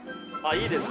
いいです！